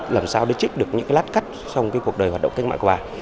làm sao để trích được những lát cắt trong cuộc đời hoạt động cách mạng của bà